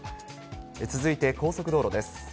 続いて、高速道路です。